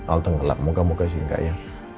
al tenggelam moga moga sih enggak ya